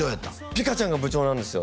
ピカちゃんが部長なんですよ